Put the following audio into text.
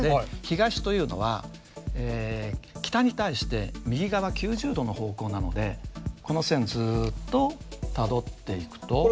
東というのは北に対して右側９０度の方向なのでこの線をずっとたどっていくと。